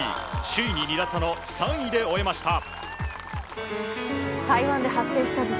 首位に２打差の３位で終えました。